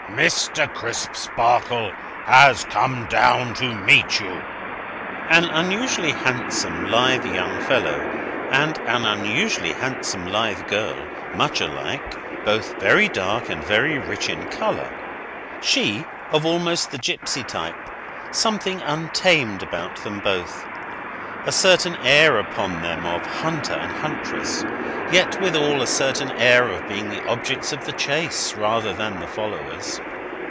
Mr. Crisparkle has come down to meet you." An unusually handsome lithe young fellow, and an unusually handsome lithe girl; much alike; both very dark, and very rich in colour; she of almost the gipsy type; something untamed about them both; a certain air upon them of hunter and huntress; yet withal a certain air of being the objects of the chase, rather than the followers.